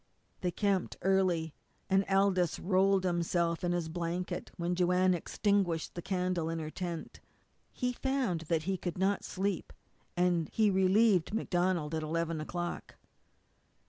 They camped early, and Aldous rolled himself in his blanket when Joanne extinguished the candle in her tent. He found that he could not sleep, and he relieved MacDonald at eleven o'clock.